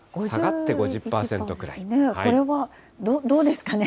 これは、どうですかね。